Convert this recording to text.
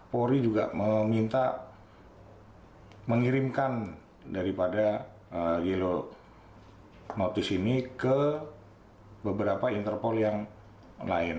polri juga meminta mengirimkan daripada yellow notice ini ke beberapa interpol yang lain